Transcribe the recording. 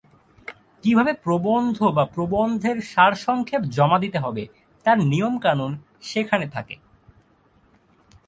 কীভাবে প্রবন্ধ বা প্রবন্ধের সারসংক্ষেপ জমা দিতে হবে তার নিয়মকানুন সেখানে থাকে।